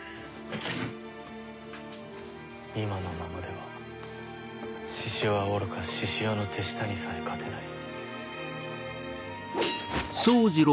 今のままでは志々雄はおろか志々雄の手下にさえ勝てない。